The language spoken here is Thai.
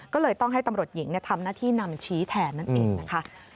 ก็เลยต้องให้ตำรวจหญิงทำหน้าที่นำชี้แทนนั่นเองนะคะ